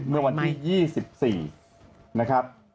เมื่อวันที่๒๔นะครับ